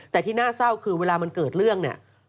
แต่ที่น่าเศร้าคือเวลามันเกิดเรื่องเนี่ย